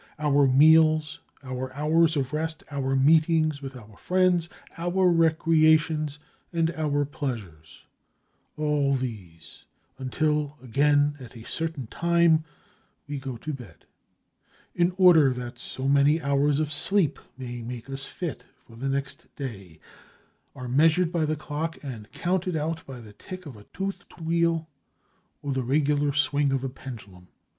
Our meals, our hours of rest, our meetings with our friends, our recreations, and our pleasures—all these, until, again, at a certain time we go to bed, in order that so many hours of sleep may make us fit for the next day, are measured by the clock and counted out by the tick of a toothed wheel or the regular swing of a pendulum.